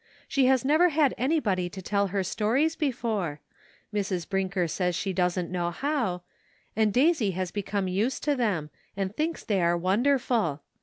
She has never had anybody to tell her stories before — Mrs. Brinker says she doesn't know how — and Daisy has become used to them, and thinks they are wonderful.